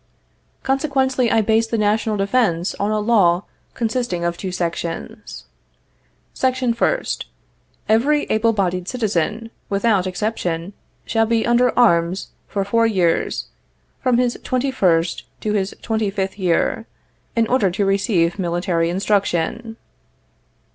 Consequently, I base the national defense on a law consisting of two sections. Section First. Every able bodied citizen, without exception, shall be under arms for four years, from his twenty first to his twenty fifth year, in order to receive military instruction.